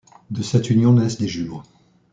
De cette union naissent des jumeaux.